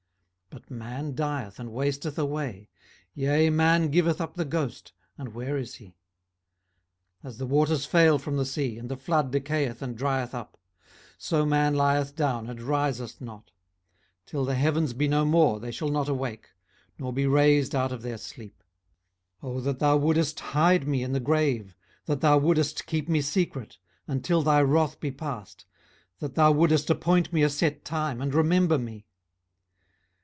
18:014:010 But man dieth, and wasteth away: yea, man giveth up the ghost, and where is he? 18:014:011 As the waters fail from the sea, and the flood decayeth and drieth up: 18:014:012 So man lieth down, and riseth not: till the heavens be no more, they shall not awake, nor be raised out of their sleep. 18:014:013 O that thou wouldest hide me in the grave, that thou wouldest keep me secret, until thy wrath be past, that thou wouldest appoint me a set time, and remember me!